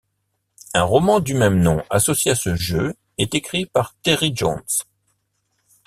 Un roman du même nom, associé à ce jeu, est écrit par Terry Jones.